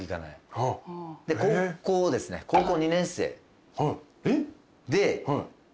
で高校ですね高校２年生で。